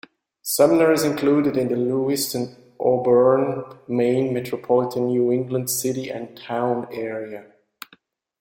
Sumner is included in the Lewiston-Auburn, Maine metropolitan New England city and town area.